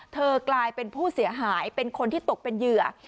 กลายเป็นผู้เสียหายเป็นคนที่ตกเป็นเหยื่อ